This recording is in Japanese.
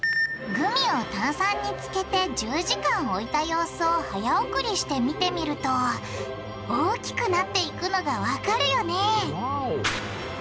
グミを炭酸につけて１０時間置いた様子を早送りして見てみると大きくなっていくのがわかるよねわお！